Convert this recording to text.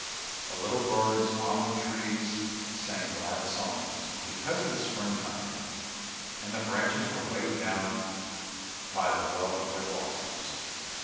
The little birds on the trees sang glad songs because it was spring time, and the branches were weighed down by the wealth of their blossoms.